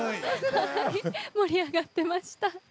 盛り上がってまいりました。